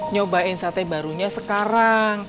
nyobain sate barunya sekarang